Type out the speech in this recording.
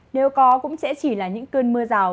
nếu có cũng sẽ chỉ là những cơn mưa rào